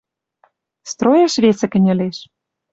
Стройыш весӹ кӹньӹлеш».